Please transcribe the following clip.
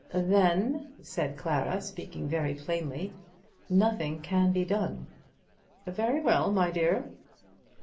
"Then," said Clara, speaking very plainly, "nothing can be done." "Very well, my dear."